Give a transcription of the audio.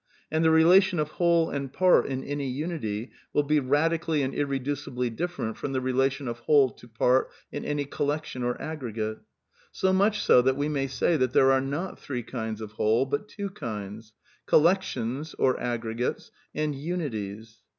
And the relation of whole and part in any unity will be radically and irredncibly different from the rela tion of whole to part in any collection or aggregate So much BO that we may say that there are not three kinds of whole but two kinds: Collections (or aggregates) and unities.